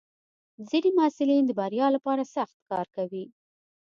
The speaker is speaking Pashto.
ځینې محصلین د بریا لپاره سخت کار کوي.